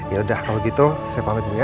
ya udah kalau gitu saya pamit bu ya